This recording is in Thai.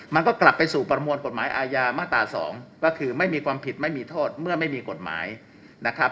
มันก็กลับไปสู่ประมวลกฎหมายอาญามาตรา๒ก็คือไม่มีความผิดไม่มีโทษเมื่อไม่มีกฎหมายนะครับ